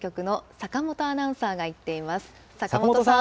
坂本さん。